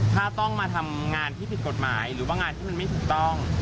ถ้าต้องมาทำงานที่ผิดกฎหมายหรือว่างานที่มันไม่ถูกต้อง